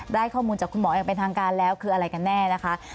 ได้ข้อมูลจากคุณหมออย่างเป็นทางการแล้วคืออะไรกันแน่นะคะ